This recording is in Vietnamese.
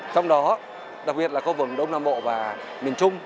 trong đó đặc biệt là có vùng đông nam bộ và miền trung